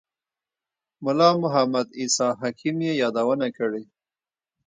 ملا محمد عیسی حکیم یې یادونه کړې.